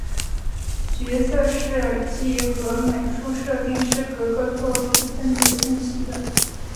角色设计与美术设定是各个作品分别进行的。